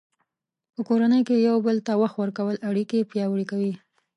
په کورنۍ کې یو بل ته وخت ورکول اړیکې پیاوړې کوي.